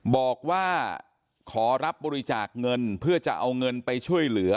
บอกว่าขอรับบริจาคเงินเพื่อจะเอาเงินไปช่วยเหลือ